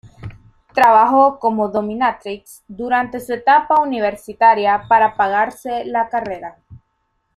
Trabajó como dominatrix durante su etapa universitaria para pagarse la carrera.